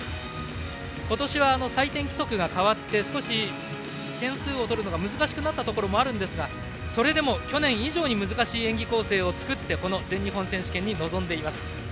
今年は採点規則が変わって少し点数を取るのが難しくなったところもあるんですがそれでも去年以上に難しい演技構成を作ってこの全日本に臨んでいます。